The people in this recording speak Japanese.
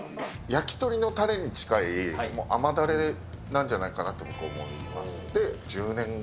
焼き鳥のたれに近い、甘だれなんじゃないかなと僕、思いまし１０年。